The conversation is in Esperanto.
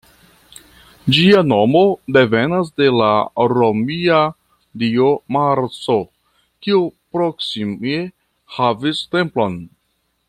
Ĝia nomo devenas de la romia dio Marso, kiu proksime havis templon.